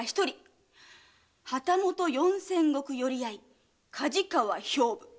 旗本四千石寄合梶川兵部。